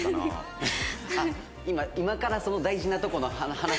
今からその大事なとこの話。